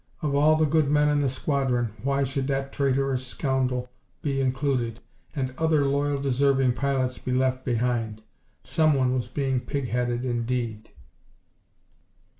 Of all the good men in the squadron, why should that traitorous scoundrel be included and other loyal deserving pilots be left behind? Someone was being pig headed indeed!